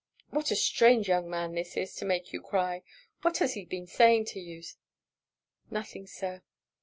'What a strange young man this is, to make you cry. What has he been saying to you?' 'Nothing, Sir.'